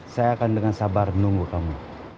saya akan dengan sabar menunggu kamu